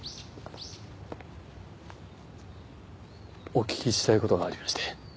お聞きしたい事がありまして。